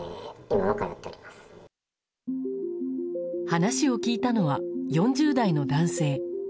話を聞いたのは、４０代の男性。